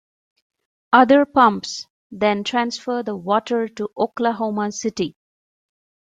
Other pumps then transfer the water to Oklahoma City.